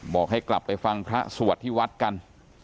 บอกให้กลับไปฟังพระสวดที่วัดกัน